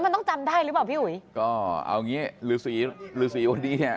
มันต้องจำได้หรือเปล่าพี่อุ๋ยก็เอางี้หรือสีหรือสีวันนี้เนี่ย